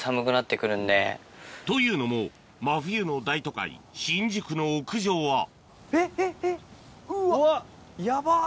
というのも真冬の大都会新宿の屋上はえっえっえっうわヤバっ！